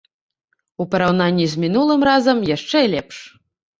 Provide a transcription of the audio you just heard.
У параўнанні з мінулым разам, яшчэ лепш.